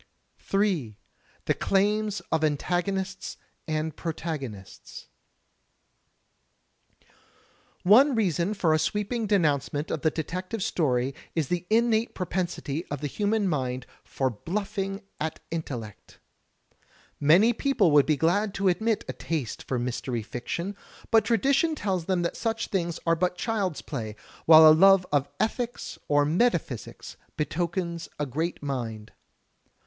J. The Claims of Antagonists and Protagonists One reason for a sweeping denoimcement of the detective story is the innate propensity of the human mind for bluffing at intellect. Many people would be glad to admit a taste for mystery fiction, but tradition tells them that such things are but child's play, while a love of ethics or metaphysics betokens a great mind.